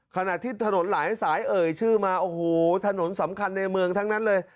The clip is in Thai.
ขณะที่ถนนหลายสายเอ่ยชื่อมาโอ้โหถนนสำคัญในเมืองทั้งนั้นเลย